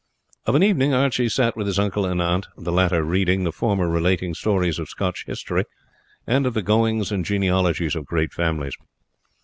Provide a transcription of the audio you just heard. Of an evening Archie sat with his uncle and aunt, the latter reading, the former relating stories of Scotch history and of the goings and genealogies of great families.